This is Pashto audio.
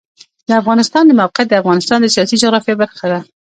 د افغانستان د موقعیت د افغانستان د سیاسي جغرافیه برخه ده.